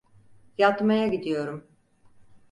Yatmaya gidiyorum.